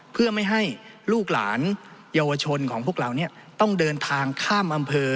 เพื่อไม่ให้ลูกหลานเยาวชนของพวกเราต้องเดินทางข้ามอำเภอ